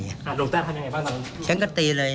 หลวงตาศักดาทำยังไงบ้าง